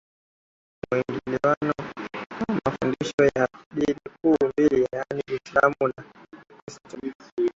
Tawala za Kichifu muingiliano wa mafundisho ya Dini kuu mbili yaani Uislamu na Ukristo